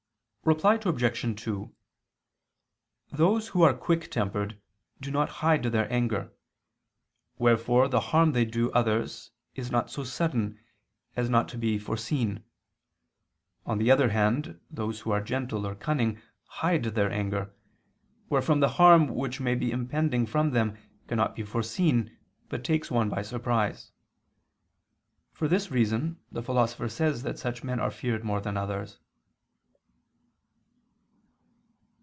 Reply Obj. 2: Those who are quick tempered do not hide their anger; wherefore the harm they do others is not so sudden, as not to be foreseen. On the other hand, those who are gentle or cunning hide their anger; wherefore the harm which may be impending from them, cannot be foreseen, but takes one by surprise. For this reason the Philosopher says that such men are feared more than others.